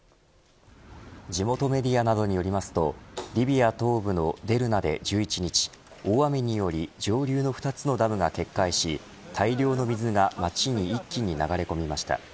地元メディアなどによりますとリビア東部のデルナで１１日大雨により上流の２つのダムが決壊し大量の水が街に一気に流れ込みました。